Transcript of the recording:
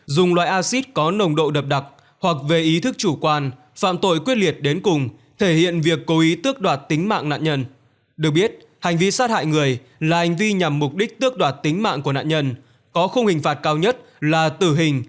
độ đập đặc hoặc về ý thức chủ quan phạm tội quyết liệt đến cùng thể hiện việc cố ý tước đoạt tính mạng nạn nhân được biết hành vi sát hại người là hành vi nhằm mục đích tước đoạt tính mạng của nạn nhân có khung hình phạt cao nhất là tử hình